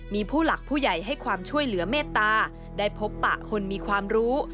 มีผู้หลักผู้ใหญ่ให้ความช่วยเหลือเมตตาได้พบปะคนมีความรู้